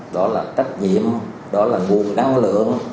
đó là trách nhiệm đó là nguồn năng lượng